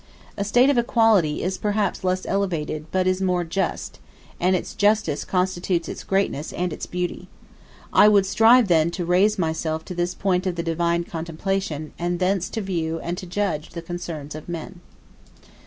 A state of equality is perhaps less elevated, but it is more just; and its justice constitutes its greatness and its beauty. I would strive then to raise myself to this point of the divine contemplation, and thence to view and to judge the concerns of men.